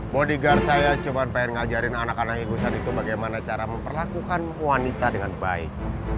body guard saya cuma pengen ngajarin anak anak igusan itu bagaimana cara memperlakukan wanita dengan baik